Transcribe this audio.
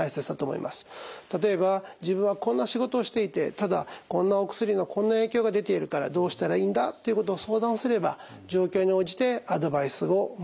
例えば「自分はこんな仕事をしていてただこんなお薬のこんな影響が出ているからどうしたらいいんだ」ということを相談すれば状況に応じてアドバイスをもらえると思います。